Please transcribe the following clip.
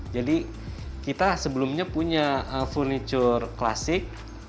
jadi kita sebelumnya punya furniture klasik